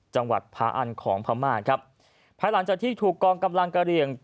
จังหวัดพาอันของพม่าครับภายหลังจากที่ถูกกองกำลังกะเรียง